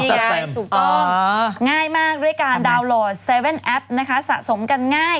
ถูกต้องง่ายมากด้วยการดาวน์โหลด๗๑๑แอปนะคะสะสมกันง่าย